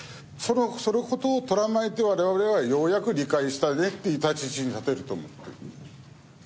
そのことをとらまえて我々はようやく理解したねっていう立ち位置に立てると思っている。